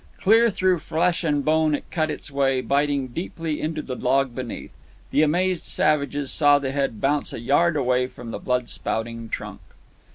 Clear through flesh and bone it cut its way, biting deeply into the log beneath. The amazed savages saw the head bounce a yard away from the blood spouting trunk.